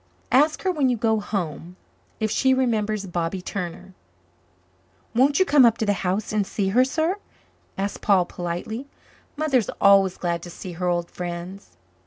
Ask her when you go home if she remembers Bobby Turner." "Won't you come up to the house and see her, sir?" asked Paul politely. "Mother is always glad to see her old friends."